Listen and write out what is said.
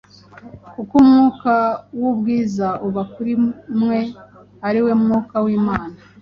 kuko Umwuka w’ubwiza aba kuri mwe, ari we Mwuka w’Imana.